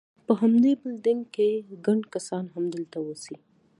په همدې بلډینګ کې، ګڼ کسان همدلته اوسي.